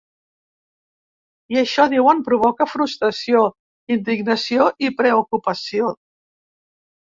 I això, diuen, ‘provoca frustració, indignació i preocupació’.